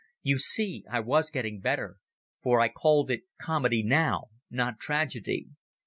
You see I was getting better, for I called it comedy now, not tragedy.